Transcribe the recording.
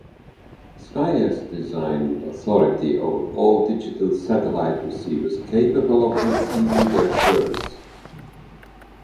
Sky has design authority over all digital satellite receivers capable of receiving their service.